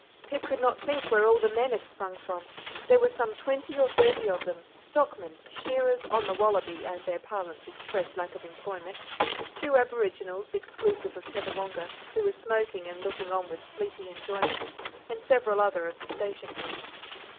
Pip could not think where all the men had sprung from. There were some twenty or thirty of them, stockmen, shearers "on the wallaby," as their parlance expressed lack of employment, two Aboriginals, exclusive of Tettawonga, who was smoking and looking on with sleepy enjoyment, and several other of the station hands.